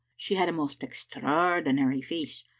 She had a most extraordinary face.